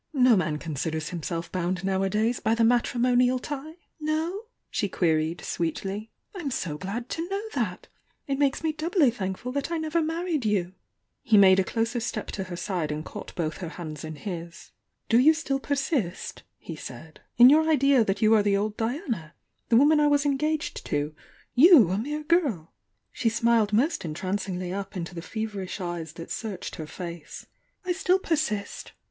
No man considers himself bound nowadays by the matn ™ "No?"'8he queried, sweetly. "I'm so glad to know that! It makes me doubly thankful that I never ™He made a' closer step to her side and caught both her hands in his. ., "Do you still persist," he said, "in your idea toat you are die old Diana?— the woman I was engaged to? — ^you, a mere girl?" .^ ^i. *• u She smiled most entrancmgly up mto toe f evensn eyes that searched her face. ,„^., "I stiU persist!"